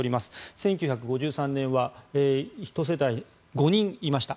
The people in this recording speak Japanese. １９５３年は１世帯５人いました。